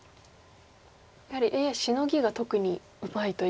やはりＡＩシノギが特にうまいという。